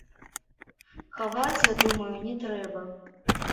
Хаваць, я думаю, не трэба.